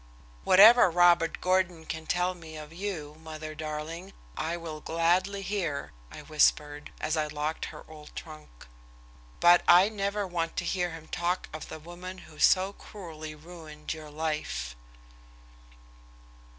"Whatever Robert Gordon can tell me of you, mother darling, I will gladly hear," I whispered, as I locked her old trunk, "but I never want to hear him talk of the woman who so cruelly ruined your life."